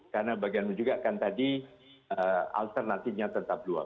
karena bagian itu juga kan tadi alternatifnya tetap dua